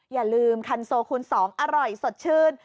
อย่าลืมคันโซคูณ๒อร่อยสดชื่น